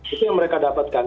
itu yang mereka dapatkan